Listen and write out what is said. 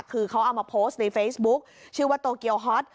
คือเขาเอามาโพสต์ในเฟซบุ๊คชื่อว่าโตเกียวฮอต